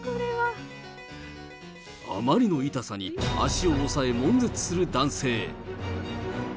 あまりの痛さに、足を押さえもん絶する男性。